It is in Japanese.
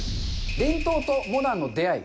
伝統とモダンの出会い！